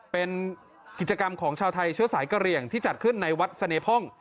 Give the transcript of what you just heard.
เป็นกิจกรรมของชาวไทยเชื้อสายกระเหลี่ยงที่จัดขึ้นในวัดเสน่พ่อง